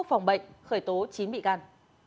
phòng bệnh khởi tố chín bị can